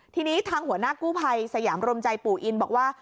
ทีนี้ทางหัวหน้ากู้ภัยสยามรมใจปู่อินบอกว่า